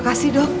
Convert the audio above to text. terima kasih dok